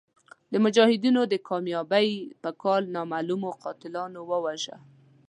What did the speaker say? د مجاهدینو د کامیابۍ په کال نامعلومو قاتلانو وواژه.